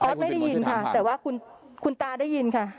ไม่ได้ยินค่ะแต่ว่าคุณตาได้ยินค่ะ